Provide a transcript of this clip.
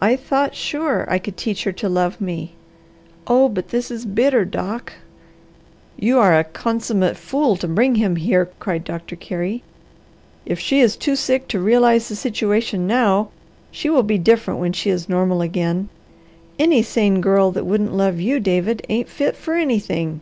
I thought sure I could teach her to love me! Oh but this is bitter, Doc!" "You are a consummate fool to bring him here!" cried Doctor Carey. "If she is too sick to realize the situation now, she will be different when she is normal again. Any sane girl that wouldn't love you, David, ain't fit for anything!"